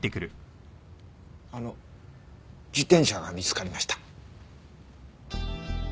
あの自転車が見つかりました。